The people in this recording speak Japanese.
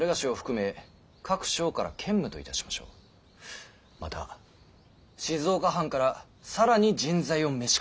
また静岡藩から更に人材を召し抱えたい。